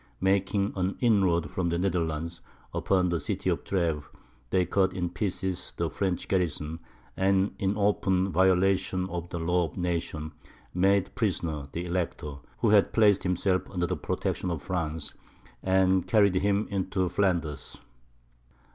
Making an inroad from the Netherlands, upon the city of Treves, they cut in pieces the French garrison; and, in open violation of the law of nations, made prisoner the Elector, who had placed himself under the protection of France, and carried him into Flanders.